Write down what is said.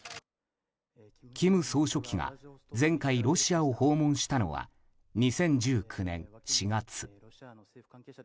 金総書記が前回、ロシアを訪問したのは２０１９年４月。